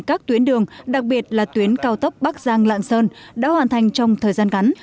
các tuyến đường đặc biệt là tuyến cao tốc bắc giang lạng sơn đã hoàn thành trong thời gian ngắn